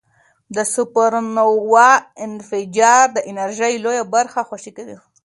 د سوپرنووا انفجار د انرژۍ لویه برخه خوشې کوي.